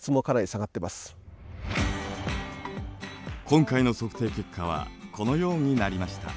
今回の測定結果はこのようになりました。